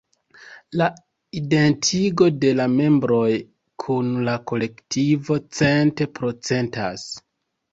La identigo de la membroj kun la kolektivo cent-procentas.